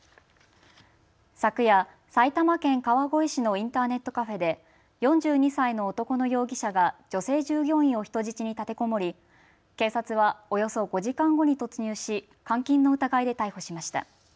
昨夜、埼玉県川越市のインターネットカフェで４２歳の男の容疑者が女性従業員を人質に立てこもり警察はおよそ５時間後に突入し監禁の疑いで逮捕しました。